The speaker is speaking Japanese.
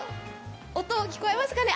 音、聞こえますかね？